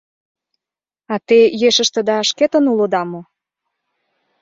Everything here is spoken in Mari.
А те ешыштыда шкетын улыда мо?